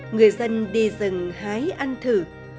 người dân đi rừng hái ăn thử